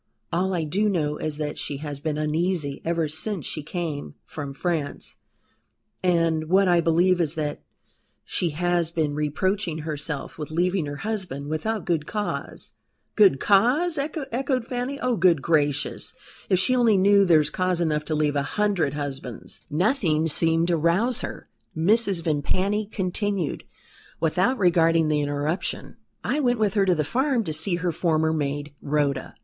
All I do know is that she has been uneasy ever since she came from France, and what I believe is that she has been reproaching herself with leaving her husband without good cause." "Good cause!" echoed Fanny. "Oh! good gracious! If she only knew, there's cause enough to leave a hundred husbands." "Nothing seemed to rouse her," Mrs. Vimpany continued, without regarding the interruption. "I went with her to the farm to see her former maid, Rhoda.